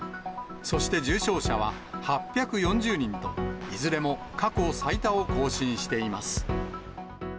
そして重症者は８４０人と、いずれも過去最多を更新しています。